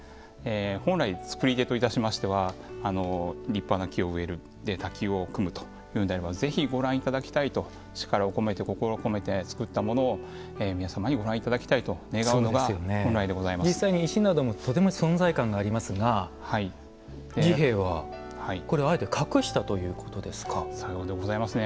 本来、造り手といたしましては立派な木を植える滝を組むというのであればぜひご覧いただきたいと力を込めて心を込めて造ったものを皆様にご覧いただきたいと願うのが実際に石などもとても存在感がありますが治兵衛はこれをあえて隠したさようでございますね。